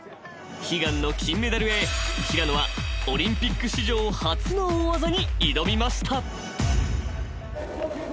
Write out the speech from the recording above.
［悲願の金メダルへ平野はオリンピック史上初の大技に挑みました］